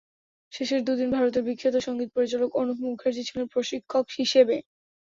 শেষের দুদিন ভারতের বিখ্যাত সংগীত পরিচালক অনুপ মুখার্জি ছিলেন প্রশিক্ষক হিসেবে।